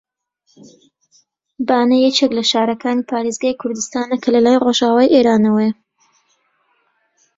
بانە یەکێک لە شارەکانی پارێزگای کوردستانە کە لە لای ڕۆژئاوای ئێرانەوەیە